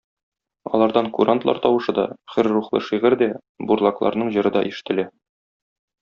Алардан курантлар тавышы да, хөр рухлы шигырь дә, бурлакларның җыры да ишетелә.